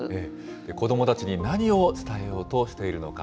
子どもたちに何を伝えようとしているのか。